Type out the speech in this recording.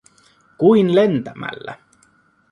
Kuin lentämällä.